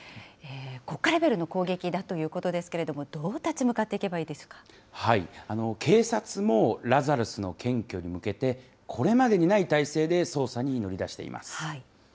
国家レベルの攻撃だということですけれども、どう立ち向かってい警察もラザルスの検挙に向けて、これまでにない体制で捜査に乗り出しています。